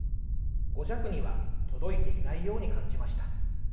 ５弱には届いていないように感じました。